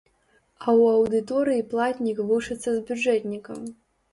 А ў аўдыторыі платнік вучыцца з бюджэтнікам.